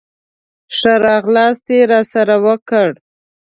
ښه راغلاست یې راسره وکړ.